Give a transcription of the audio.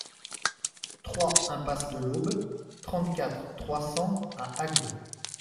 trois impasse de l'Aube, trente-quatre, trois cents à Agde